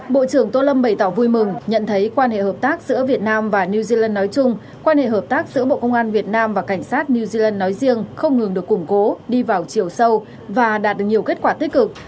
bộ trưởng tô lâm bày tỏ vui mừng nhận thấy quan hệ hợp tác giữa việt nam và new zealand nói chung quan hệ hợp tác giữa bộ công an việt nam và cảnh sát new zealand nói riêng không ngừng được củng cố đi vào chiều sâu và đạt được nhiều kết quả tích cực